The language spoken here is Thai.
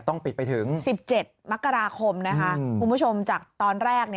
ต้องปิดไปถึง๑๗มกราคมนะคะคุณผู้ชมจากตอนแรก